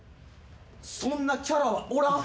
そんなキャラはおらん。